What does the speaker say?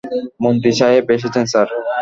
মন্ত্রীসাহেব এসেছেন, স্যার।